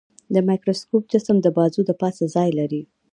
د مایکروسکوپ جسم د بازو د پاسه ځای لري.